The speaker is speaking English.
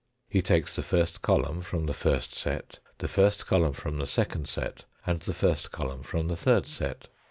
He takes the first column from the first set, the first column from the second set, and the first column from the third set.